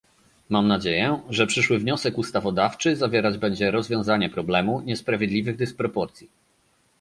Mam nadzieję, że przyszły wniosek ustawodawczy zawierać będzie rozwiązanie problemu niesprawiedliwych dysproporcji